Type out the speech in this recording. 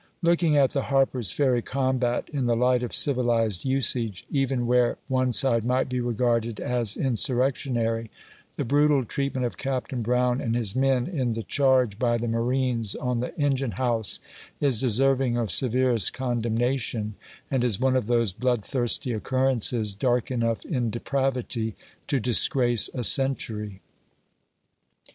Looking at the Harper's Ferry combat in the light of civilized usage, even where one side might be regarded as* insurrectionary, the brutal treatment of Captain Brown and his men in the charge by the marines on the engine house is deserving of severest condemnation, and is one of those blood thirsty occurrences, dark enough in depravity to disgrace a century.